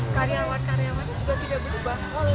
karyawan karyawannya juga tidak berubah